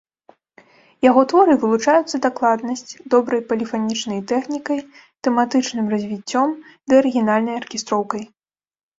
Яго творы вылучаюцца дакладнасць, добрай поліфанічнай тэхнікай, тэматычным развіццём ды арыгінальнай аркестроўкай.